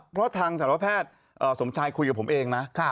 เพราะทางสารวแพทย์สมชายคุยกับผมเองนะ